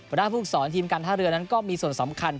ด้านผู้ฝึกศรทีมการท่าเรือนั้นก็มีส่วนสำคัญ